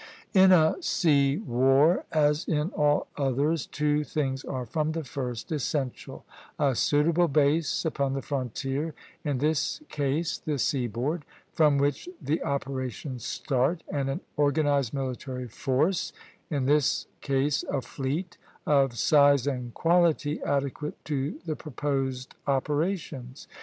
In a sea war, as in all others, two things are from the first essential, a suitable base upon the frontier, in this case the seaboard, from which the operations start, and an organized military force, in this case a fleet, of size and quality adequate to the proposed operations.